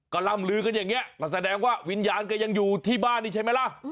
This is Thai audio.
ก็ล่ำลือกันอย่างนี้ก็แสดงว่าวิญญาณก็ยังอยู่ที่บ้านนี่ใช่ไหมล่ะ